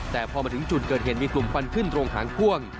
แต่พอมาถึงจุดเกิดเหตุมีกลุ่มควันขึ้นโรงหางพ่วง